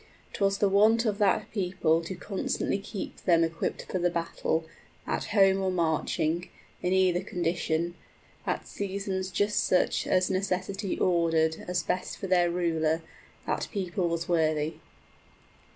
'Twas the wont of that people 55 To constantly keep them equipped for the battle, At home or marching in either condition At seasons just such as necessity ordered As best for their ruler; that people was worthy.